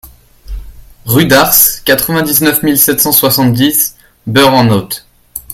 Rue d'Arces, quatre-vingt-neuf mille sept cent soixante-dix Bœurs-en-Othe